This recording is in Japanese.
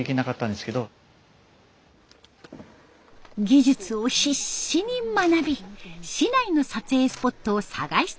技術を必死に学び市内の撮影スポットを探し続けました。